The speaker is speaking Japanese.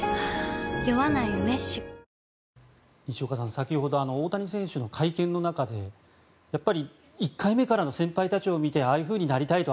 先ほど、大谷選手の会見の中でやっぱり１回目からの先輩たちを見てああいうふうになりたいと